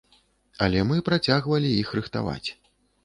Але мы працягвалі іх рыхтаваць.